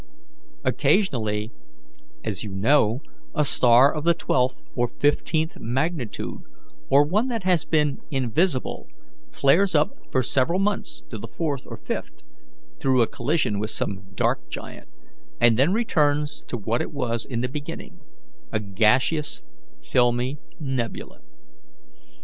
Occasionally, as you know, a star of the twelfth or fifteenth magnitude, or one that has been invisible, flares up for several months to the fourth or fifth, through a collision with some dark giant, and then returns to what it was in the beginning, a gaseous, filmy nebula.